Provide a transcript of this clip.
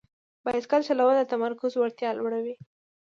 بایسکل چلول د تمرکز وړتیا لوړوي.